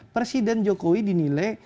presiden jokowi dinilai